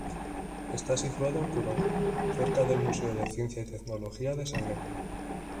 Está situado en Pudong, cerca del Museo de Ciencia y Tecnología de Shanghái.